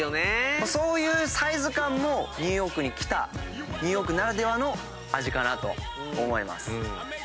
そういうサイズ感もニューヨークに来たニューヨークならではの味かなと思います。